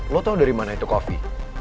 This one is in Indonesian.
lo tahu dari mana itu kopi